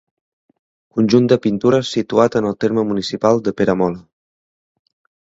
Conjunt de pintures situat en el terme municipal de Peramola.